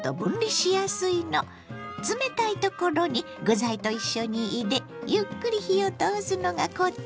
冷たいところに具材と一緒に入れゆっくり火を通すのがコツ。